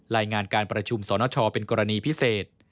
รายงานการประชุมสนชเป็นกรณีพิเศษ